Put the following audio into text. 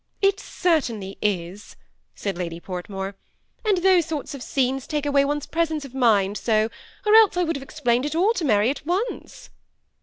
" It certainly is," said Lady Portmore ;" and those sort of scenes take away one's presence of mind so, or else I would have explained it all to Mary at once."